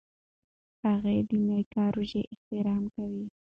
هغې د میکا روژې احترام کوي.